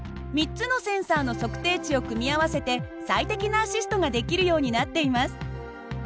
３つのセンサーの測定値を組み合わせて最適なアシストができるようになっています。